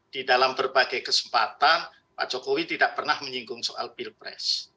di dalam berbagai kesempatan pak jokowi tidak pernah menyinggung soal pilpres